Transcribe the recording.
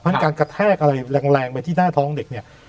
เพราะการกระแทกอะไรแรงไปที่หน้าท้องเด็กเนี่ย